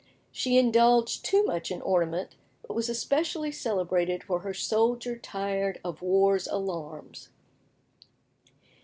She indulged too much in ornament, but was especially celebrated for her "Soldier tired of War's Alarms."